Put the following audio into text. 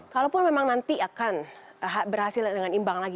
kalaupun memang nanti akan berhasil dengan imbang lagi